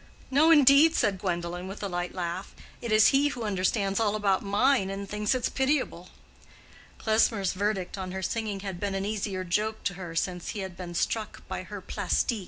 "No, indeed," said Gwendolen, with a light laugh; "it is he who understands all about mine and thinks it pitiable." Klesmer's verdict on her singing had been an easier joke to her since he had been struck by her plastik.